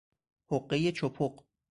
حقهی چپق